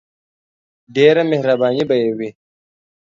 ډیره مهربانی به یی وی.